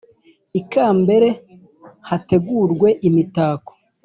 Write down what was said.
ikambere hategurwe imitako